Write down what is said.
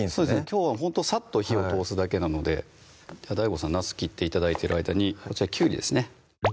きょうはほんとさっと火を通すだけなのでＤＡＩＧＯさん切って頂いてる間にこちらきゅうりですね